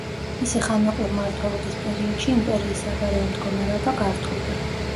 მისი ხანმოკლე მმართველობის პერიოდში იმპერიის საგარეო მდგომარეობა გართულდა.